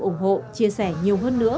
ủng hộ chia sẻ nhiều hơn nữa